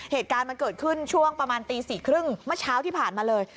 เหตุการณ์มันเกิดขึ้นช่วงประมาณตี๔๓๐เมื่อเช้าที่ผ่านมาเลย